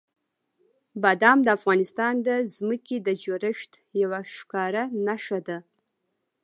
بادام د افغانستان د ځمکې د جوړښت یوه ښکاره نښه ده.